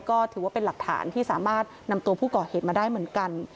ก็ถือว่าเป็นหลักฐานที่สามารถนำตัวผู้ก่อเหตุมาได้เหมือนกัน